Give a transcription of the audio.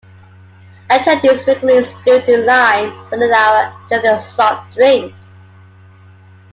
Attendees frequently stood in line for an hour to get a soft drink.